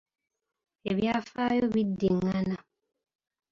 Ebyafaayo bidingana.